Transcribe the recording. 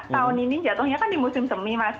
tahun ini jatuhnya kan di musim semi mas